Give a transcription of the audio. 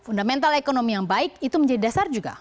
fundamental ekonomi yang baik itu menjadi dasar juga